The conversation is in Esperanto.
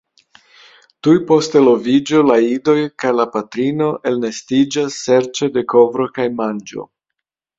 Tuj post eloviĝo la idoj kaj la patrino elnestiĝas serĉe de kovro kaj manĝo.